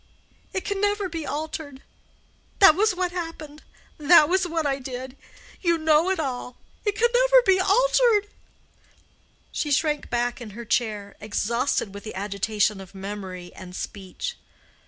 It can never be altered. That was what happened. That was what I did. You know it all. It can never be altered." She sank back in her chair, exhausted with the agitation of memory and speech.